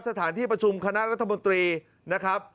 สถานที่ประชุมคณะรัฐมนตรีนะครับ